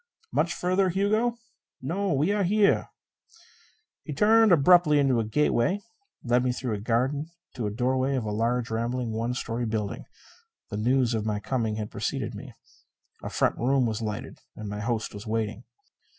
"Much further, Hugo?" "No. We are here." He turned abruptly into a gateway, led me through a garden and to the doorway of a large, rambling, one story building. The news of my coming had preceded me. A front room was lighted; my host was waiting.